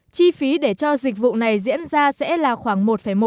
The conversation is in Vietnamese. chi phí để cho dịch vụ này diễn ra sẽ là khoảng một một